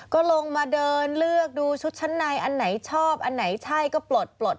ก็ลงมาเดินเลือกดูชุดชั้นในอันไหนชอบอันไหนใช่ก็ปลดปลด